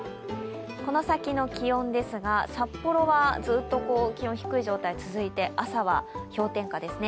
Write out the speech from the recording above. この先の気温ですが札幌はずっと気温が低い状態が続いて、朝は氷点下ですね。